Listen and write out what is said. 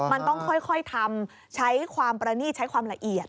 มันต้องค่อยทำใช้ความประนีตใช้ความละเอียด